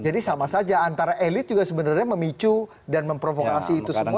jadi sama saja antara elit juga sebenarnya memicu dan memprovokasi itu semua